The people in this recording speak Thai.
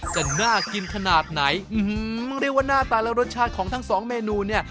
จะน่ากินขนาดไหนเรียกว่าหน้าตาและรสชาติของทั้งสองเมนูเนี่ย